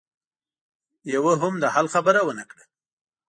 يوه هم د حل خبره ونه کړه.